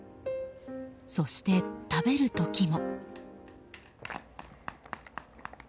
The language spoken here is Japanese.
そして、食べる時も。